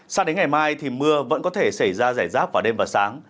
sao đến ngày mai thì mưa vẫn có thể xảy ra giải rác vào đêm và sáng